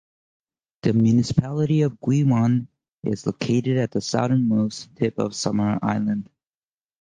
The municipality of Guiuan is located at the southernmost tip of Samar Island.